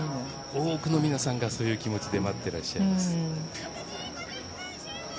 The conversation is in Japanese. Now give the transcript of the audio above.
多くの皆さんがそういう気持ちで待っていらっしゃいます。